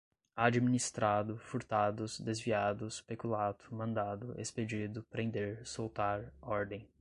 administrado, furtados, desviados, peculato, mandado, expedido, prender, soltar, ordem